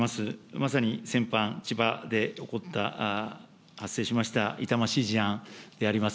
まさに先般、千葉で起こった、発生しました痛ましい事案であります。